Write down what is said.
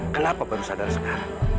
kenapa baru sadar sekarang